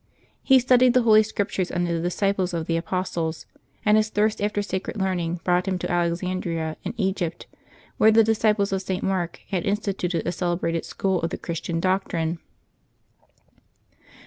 He studied the Holy Scriptures under the disciples of the apostles, and his thirst after sacred learning brought him to Alexandria, in Egypt, w^here the disciples of St. Mark had instituted a celebrated school of the Christian doctrine.